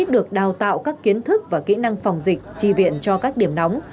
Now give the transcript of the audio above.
được đào tạo các kiến thức và kỹ năng phòng dịch tri viện cho các điểm nóng